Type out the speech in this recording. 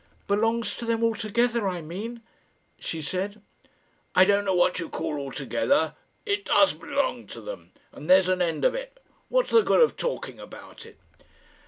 "Belongs to them altogether, I mean?" she said. "I don't know what you call altogether. It does belong to them, and there's an end of it. What's the good of talking about it?"